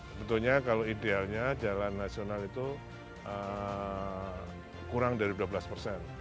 sebetulnya kalau idealnya jalan nasional itu kurang dari dua belas persen